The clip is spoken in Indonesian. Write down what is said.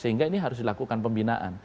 sehingga ini harus dilakukan pembinaan